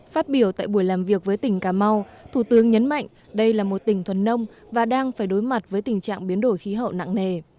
phát biểu tại buổi làm việc với tỉnh cà mau thủ tướng nhấn mạnh đây là một tỉnh thuần nông và đang phải đối mặt với tình trạng biến đổi khí hậu nặng nề